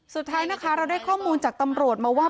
สุดท้ายนะคะเราได้ข้อมูลจากตำรวจมาว่า